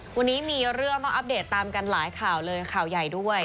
วันนี้มีเรื่องต้องอัปเดตตามกันหลายข่าวเลยข่าวใหญ่ด้วย